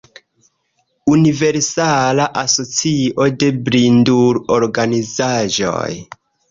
Universala Asocio de Blindul-Organizaĵoj.